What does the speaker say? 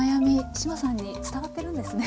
志麻さんに伝わってるんですね。